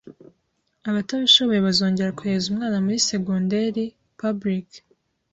abatabishoboye bazongera kohereza umwana muri secondaire public